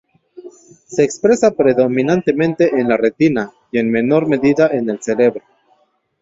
Se expresa predominantemente en la retina y en menor medida en el cerebro.